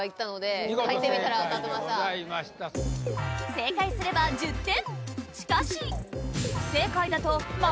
正解すれば１０点！